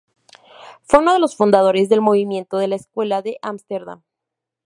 Fue uno de los fundadores del movimiento de la Escuela de Ámsterdam.